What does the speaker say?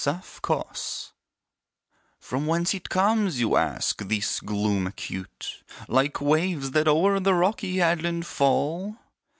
Semper Eadem "From whence it comes, you ask, this gloom acute, Like waves that o'er the rocky headland fall?"